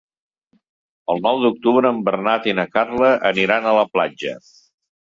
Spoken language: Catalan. El nou d'octubre en Bernat i na Carla aniran a la platja.